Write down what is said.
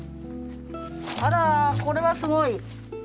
あらこれはすごい。